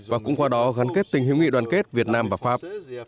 và cũng qua đó gắn kết tình hữu nghị đoàn kết việt nam và pháp